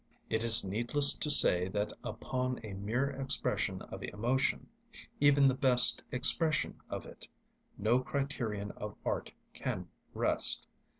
It is needless to say that upon a mere expression of emotion—even the best expression of it—no criterion of art can rest.